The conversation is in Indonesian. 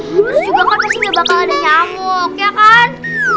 terus juga kan pasti udah bakal ada camuk ya kan